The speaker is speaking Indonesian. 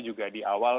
juga di awal